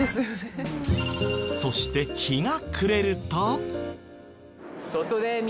そして日が暮れると。